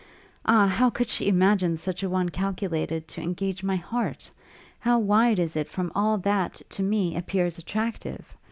Ah! how could she imagine such a one calculated to engage my heart? How wide is it from all that, to me, appears attractive!